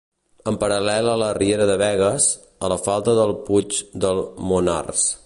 En paral·lel a la riera de Begues, a la falda del Puig del Monars.